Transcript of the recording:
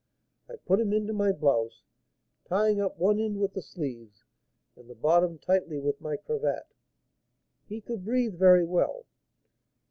I put him into my blouse, tying up one end with the sleeves and the bottom tightly with my cravat. He could breathe very well.